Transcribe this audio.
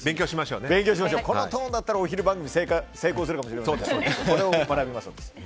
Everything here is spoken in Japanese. このトーンだったらお昼番組成功するかもしれないです。